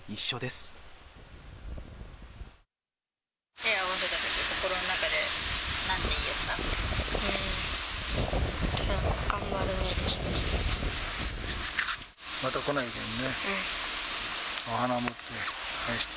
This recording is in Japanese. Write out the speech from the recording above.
手を合わせたとき、心の中で、なんて言いよった？